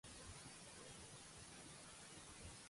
I tu, Pere, saps els salms?